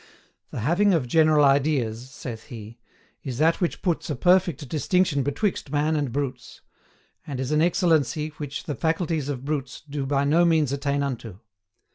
"The having of general ideas," saith he, "is that which puts a perfect distinction betwixt man and brutes, and is an excellency which the faculties of brutes do by no means attain unto.